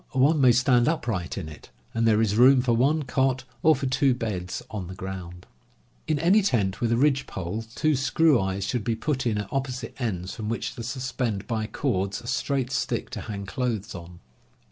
One may stand upright in it, and there is room for one cot or for two beds on the ground." In any tent with a ridge pole two screw eyes should be put in it at opposite ends from which to suspend by _ cords a straight stick to hang clothes on.